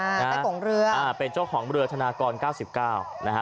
ไต่กงเรืออ่าเป็นเจ้าของบริเวณธนากรเก้าสิบเก้านะฮะ